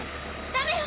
ダメよ